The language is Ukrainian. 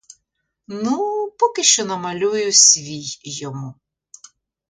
Ну, поки що намалюю свій йому.